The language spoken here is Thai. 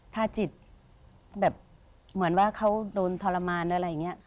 ถ้าจิตแบบเหมือนว่าเขาโดนทรมานหรืออะไรอย่างนี้